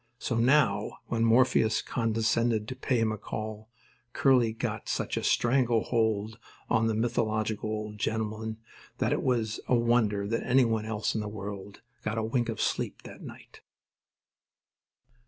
So now, when Morpheus condescended to pay him a call, Curly got such a strangle hold on the mythological old gentleman that it was a wonder that anyone else in the whole world got a wink of sleep that night.